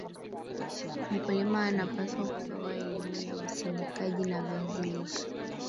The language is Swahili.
mkulima anapaswa kupewa elimu ya usindikaji wa viazi lishe